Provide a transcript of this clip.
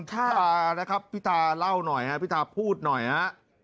พี่ตานะครับพี่ตาเล่าหน่อยฮะพี่ตาพูดหน่อยฮะ